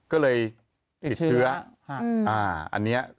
ก็เลยติดเทือ